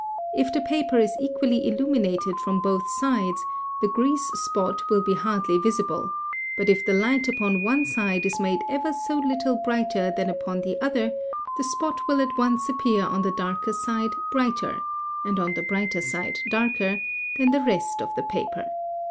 If the paper is equally illuminated from both sides the grease spot will be hardly visible, but if the light upon one side is made, ever so little brighter than upon the other, the spot will at once appear on the darker side brighter (and on the brighter side darker) than the rest of the paper.